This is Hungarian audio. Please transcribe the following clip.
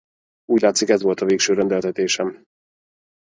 Úgy látszik, ez volt a végső rendeltetésem.